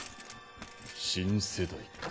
新世代か。